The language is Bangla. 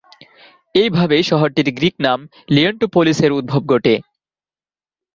এইভাবেই শহরটির গ্রিক নাম "লিয়েন্টোপোলিস"-এর উদ্ভব ঘটে।